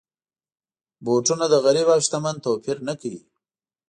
بوټونه د غریب او شتمن توپیر نه کوي.